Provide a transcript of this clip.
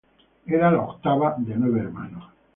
Era la octava de nueve hermanos.